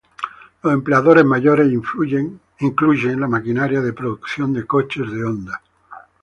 Los empleadores mayores incluyen la maquinaria de producción de coches de Honda.